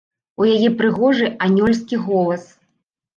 У яе прыгожы анёльскі голас!